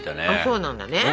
そうなんだね。